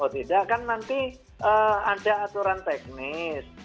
tidak kan nanti ada aturan teknis